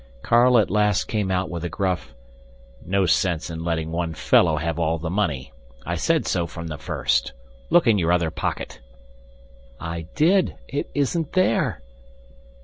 Carl at last came out with a gruff, "No sense in letting one fellow have all the money. I said so from the first. Look in your other pocket." "I did. It isn't there."